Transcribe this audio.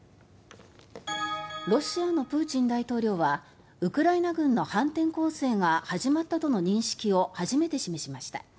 ロシアのプーチン大統領はウクライナ軍の反転攻勢が始まったとの認識を初めて示しました。